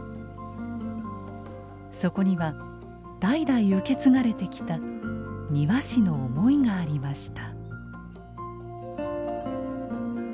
そこには代々受け継がれてきた庭師の思いがありました。